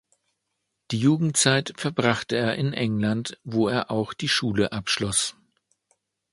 Die Jugendzeit verbrachte er in England, wo er auch die Schule abschloss.